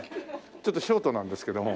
ちょっとショートなんですけども。